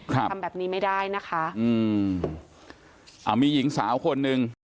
ทำแบบนี้ไม่ได้นะคะอืมอ่ามีหญิงสาวคนหนึ่ง